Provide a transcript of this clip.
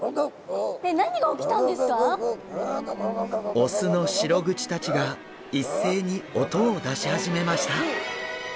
オスのシログチたちが一斉に音を出し始めました。